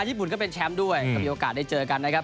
ญี่ปุ่นก็เป็นแชมป์ด้วยก็มีโอกาสได้เจอกันนะครับ